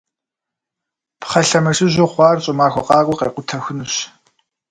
Пхъэ лъэмыжыжьу хъуар, щӏымахуэ къакӏуэ къекъутэхынущ.